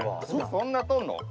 そんな撮んの？